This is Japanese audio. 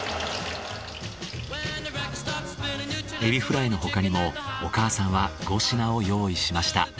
エビフライの他にもお母さんは５品を用意しました。